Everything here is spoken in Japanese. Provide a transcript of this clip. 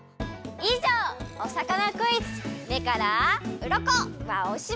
いじょう「お魚クイズ目からうろこ」はおしまい！